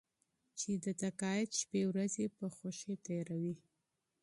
چې د تقاعد شپې ورځې په خوښۍ تېروي.